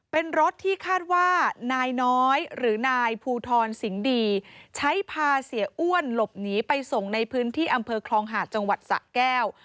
เป็นรถที่คาดว่านายน้อยหรือนายภูทรสิงห์ดีใช้พาเสียอ้วนหลบหนีไปส่งในพื้นที่อำเภอคลองหาดจังหวัดสะแก้ว